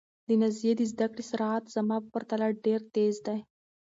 د نازيې د زده کړې سرعت زما په پرتله ډېر تېز و.